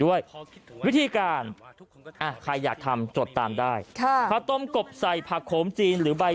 ด้วยวิธีการใครอยากทำจดตามได้ค่ะข้าวต้มกบใส่ผักโขมจีนหรือใบ